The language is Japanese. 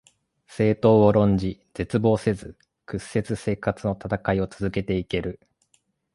政党を論じ、絶望せず、屈せず生活のたたかいを続けて行ける